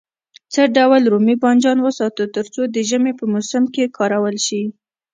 څه ډول رومي بانجان وساتو تر څو د ژمي په موسم کې کارول شي.